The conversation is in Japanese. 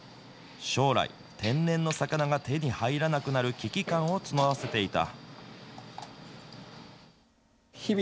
将来、天然の魚が手に入らなくなる危機感を募らせていた。